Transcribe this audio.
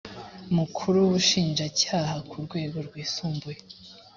mukuru ubushinjacyaha ku rwego rwisumbuye